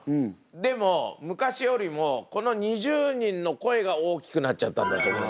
でも昔よりもこの２０人の声が大きくなっちゃったんだと思います。